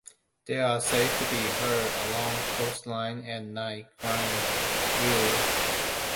They are said to be heard along coastlines at night crying, Iou!